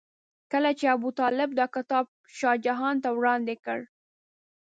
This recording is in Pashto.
کله چې ابوطالب دا کتاب شاه جهان ته وړاندې کړ.